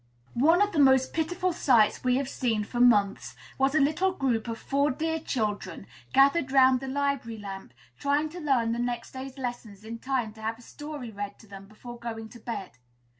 One of the most pitiful sights we have seen for months was a little group of four dear children, gathered round the library lamp, trying to learn the next day's lessons in time to have a story read to them before going to bed.